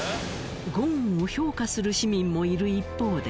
ゴーンを評価する市民もいる一方で。